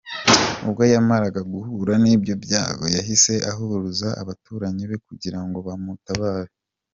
Ubwo yamaraga guhura n’ibyo byago yahise ahuruza abaturanyi be kugira ngo bamutabare.